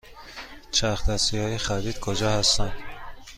چرخ دستی های خرید کجا هستند؟